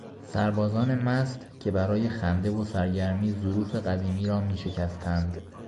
سربازان مست که برای خنده و سرگرمی ظروف قدیمی را میشکستند.